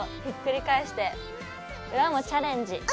ひっくり返して裏もチャレンジ。